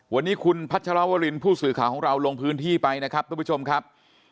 วันนี้คุณพัชรวรินผู้สื่อข่าวของเราลงพื้นที่ไปนะครับทุกผู้ชมครับ